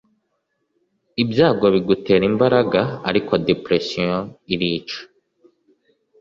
ibyago bigutera imbaraga, ariko depression irica